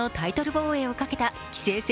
防衛をかけた棋聖戦